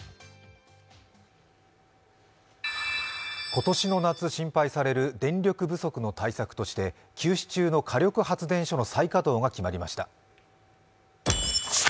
今年の夏心配される電力不足の対策として、休止中の火力発電所の再稼働が決まりました。